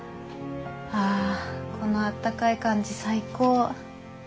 あこのあったかい感じ最高！